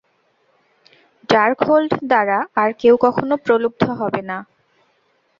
Darkhold দ্বারা আর কেউ কখনো প্রলুব্ধ হবে না।